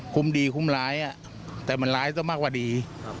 คุ้มดีคุ้มร้ายอ่ะแต่มันร้ายต้องมากกว่าดี